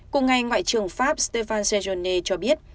cùng ngày ngoại trưởng pháp stéphane sejoné cho biết